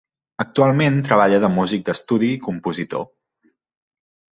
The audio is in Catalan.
Actualment treballa de músic d'estudi i compositor.